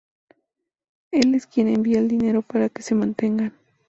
Él es quien envía el dinero para que se mantengan.